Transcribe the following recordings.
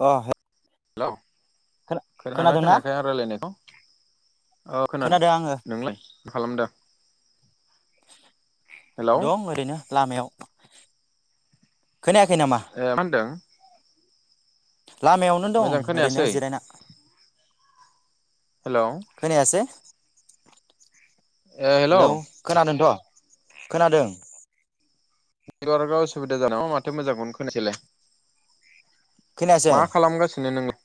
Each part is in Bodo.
अ हेल' खोनादोना खोनादोंना खोनायाखै आं रायलायनायखौ। अ खोनादों नोंलाय मा खालामदों। हेलौ दं ओरैनो लामायाव। खोनायाखै नामा? ए मा होनदों लामायावनो। नयाव दं मोजां ओरैनो खोनायासै जिरायना। हेलौ खोनायासै हेलौ खोनादोंथ' खोनादों। नेटवार्कआसिदा जान ना माथो मोजांखौ खोनासलाय। खोनायासै मा खालामगासिनो नोंलाय?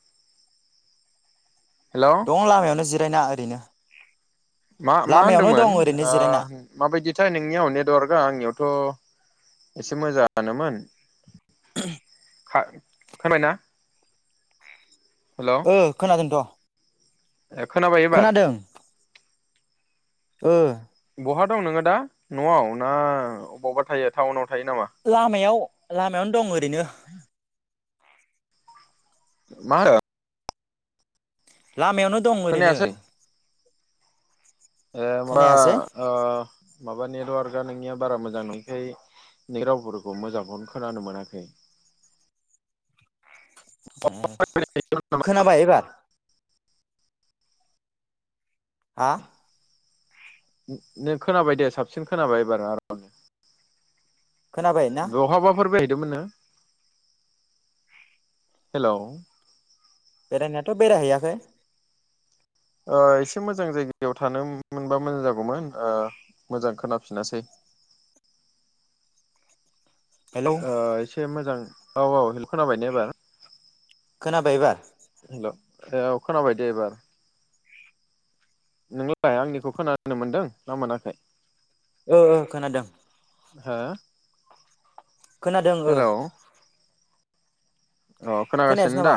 हेलौ गोबां लामायावनो जिरायना ओरैनो मा मा लामायावनो दं होनदोंमोन ओरैनो आ। जिरायना माबायदिथाय नोंनियाव नेटवारकआ आंनियावथ' एसे मोजाआनोमोन। [inaudible] खा खोमबायना? हेल' ओ खोनादोंथ' ए खोनाबायो खोनादों ओ। बहा दं नोङो दा न'आव ना अबावबा थायो टाउनाव थायो नामा? लामायाव लामायावनो दं ओरैनो। मा लामायावनो दं ओरैनो खोनायासै ए माबा खोनायासै माबा नेटवार्कआ ओ नोंनिया बारा मोजां [unintelligible] नोंनि रावफोरखौ मोजांखौनो खोनानो मोनाखै। खोनाबाय एबार हा नों खोनाबाय दे साबसिन खोनाबाय एबार खोनाबाय ना बहाबाफोर बहैदोंमोन नो हेलौ। बेरायनायाथ' बेरायहैयाखै एसे मोजां जायगायाव थानो मोनबा मोजां जागौमोन मोजां खोनाफिनासै। हेलौ [inaudible] एसे मोजां औ औ हेल्प खोनाबाय ने एबार खोनाबाय एबार हेल' औ खोनाबाय दे एबार नोंललाय आंनिखौ खोनानो मोनदों ना मोनाखै। ओ ओ खोनादों। हो खोनादों ओ हेलौ अ खोनायासै खोनागासिनो दा? नामा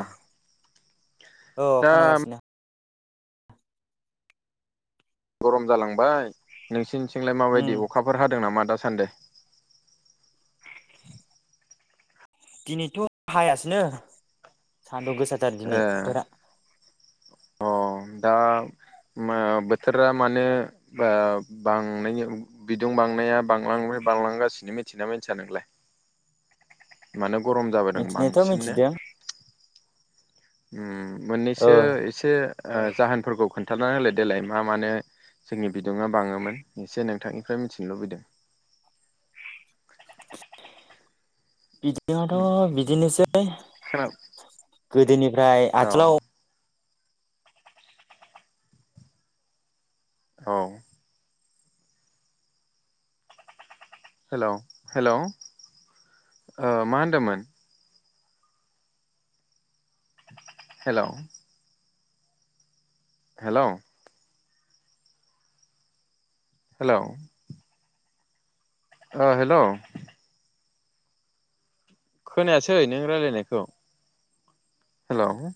औ दा खोनागासिनो। गरम जालांबाय नोंसिनिथिंलाय उम माबायदि अखाफोर हादों नामा दासान्दि दिनैथ' हायासैनो सान्दुं गोसाथार ए दिनै बोथोरा। अ दा बोथोरा माने बां बिदुं बांनाया बांलां बांलांगासिनो मिथिना मिथिया नोंलाय? माने गरम जाबोदों मिथिनायाथ' बांसिननो मिथिदों ओ मोननैसो एसे जाहोनफोरखौ खोन्थानानै होलाय देलाय मा मानो जोंनि बिदुङा बाङोमोन एसे नोंथांनिफ्राय मिथिनो लुबैदों। बिदिङआथ' बिदिनोसै खोना गोदोनिफ्राय औ आथिखालाव औ। हेलौ हेलौ मा होनदोंमोन। हेलौ। हेलौ। हेलौ। अ हेलौ। खोनायासै नों रायज्लायनायखौ हेलौ।